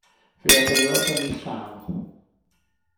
Fe afaelodd yn ei llaw.